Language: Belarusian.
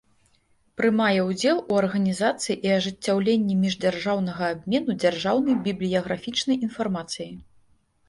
Прымае ўдзел у арганiзацыi i ажыццяўленнi мiждзяржаўнага абмену дзяржаўнай бiблiяграфiчнай iнфармацыяй.